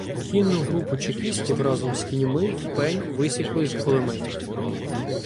Кінну групу чекістів разом з кіньми в пень висікли з кулеметів.